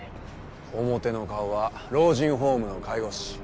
表の顔は老人ホームの介護士。